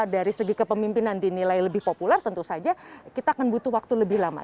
dari segi kepemimpinan dinilai lebih populer tentu saja kita akan butuh waktu lebih lama